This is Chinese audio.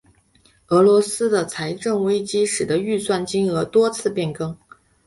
俄罗斯的财政危机使得预算金额多次变更。